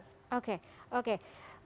terima kasih pak bapak